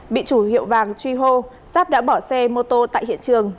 bị chủ hiệu vàng truy hô giáp đã bỏ xe mô tô tại hiện trường